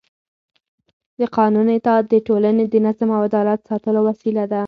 د قانون اطاعت د ټولنې د نظم او عدالت ساتلو وسیله ده